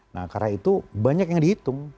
nah karena itu banyak yang dihitung